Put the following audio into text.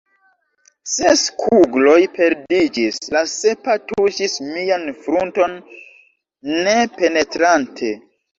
Ses kugloj perdiĝis; la sepa tuŝis mian frunton ne penetrante.